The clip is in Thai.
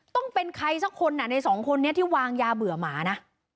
ต้องเป็นใครสักคนในสองคนนี้ที่วางยาเบื่อหมานะ